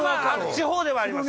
地方ではあります